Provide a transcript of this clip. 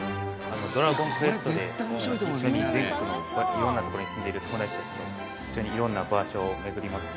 『ドラゴンクエスト』で一緒に全国の色んな所に住んでる友達たちと一緒に色んな場所を巡りますね。